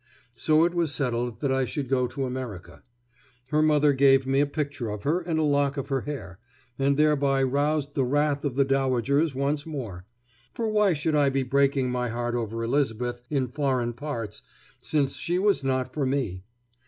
So it was settled that I should go to America. Her mother gave me a picture of her and a lock of her hair, and thereby roused the wrath of the dowagers once more; for why should I be breaking my heart over Elizabeth in foreign parts, since she was not for me?